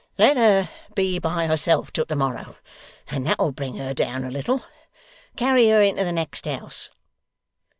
Let her be by herself till to morrow, and that'll bring her down a little. Carry her into the next house!